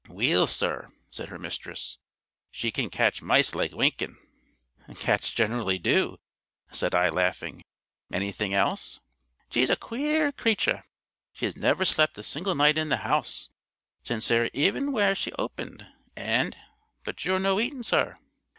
"Weel, sir," said her mistress, "she can catch mice like winking." "Cats generally do," said I laughing; "anything else?" "She's a queer cratur. She has never slept a single night in the house since her e'en were opened, and But you're no eating, sir."